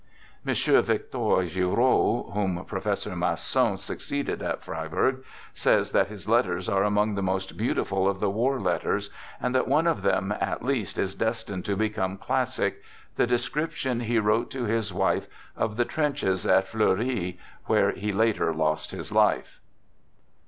M. Victor Giraud, whom Professor Masson suc ceeded at Fribourg, says that his letters are among the most beautiful of the war letters, and that one of them at least is destined to become classic: the description he wrote to his wife of the trenches at Fleury, where he later lost his life.